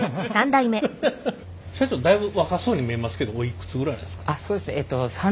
社長だいぶ若そうに見えますけどおいくつぐらいなんですか？